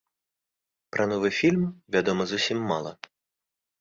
Пра новы фільм вядома зусім мала.